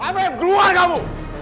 afif keluar kamu